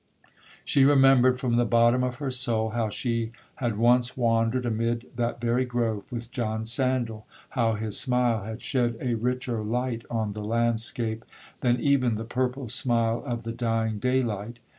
She remembered, from the bottom of her soul, how she had once wandered amid that very grove with John Sandal—how his smile had shed a richer light on the landscape, than even the purple smile of the dying day light.